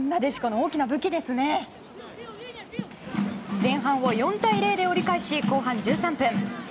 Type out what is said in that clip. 前半を４対０で折り返し後半１３分。